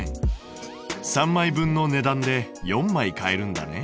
３枚分の値段で４枚買えるんだね。